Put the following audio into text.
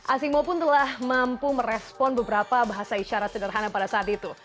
asimo pun telah mampu merespon beberapa bahasa isyarat sederhana pada saat itu